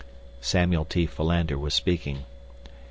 Samuel T. Philander was speaking.